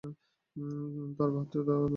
তাঁর ভাবতেও তালো লাগছে না!